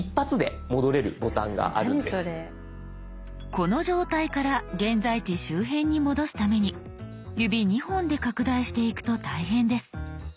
この状態から現在地周辺に戻すために指２本で拡大していくと大変です。